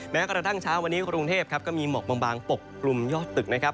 แม้กระทั่งเช้าวันนี้กรุงเทพครับก็มีหมอกบางปกกลุ่มยอดตึกนะครับ